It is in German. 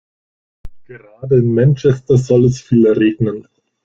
Gerade in Manchester soll es viel regnen.